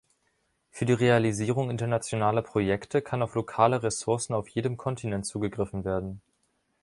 Für die Realisierung internationaler Projekte kann auf lokale Ressourcen auf jedem Kontinent zugegriffen werden.